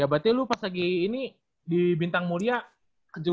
ya berarti lu pas lagi ini di bintang mulia